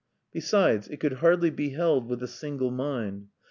Besides, it could hardly be held with a single mind.